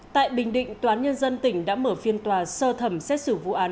tại bình định toán nhân dân tỉnh đã mở phiên tòa sơ thẩm xét xử vụ án